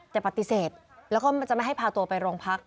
จะปฏิเสธแล้วก็จะไม่ให้พาตัวไปรองพัก